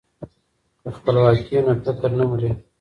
که خپلواکي وي نو فکر نه مري.